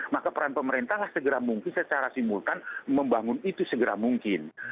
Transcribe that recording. maka peran pemerintahlah segera mungkin secara simultan membangun itu segera mungkin